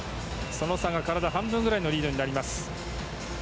その差が体半分くらいのリードになります。